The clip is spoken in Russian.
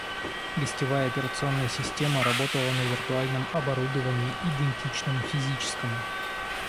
Гостевая операционная система работала на виртуальном оборудовании, идентичному физическому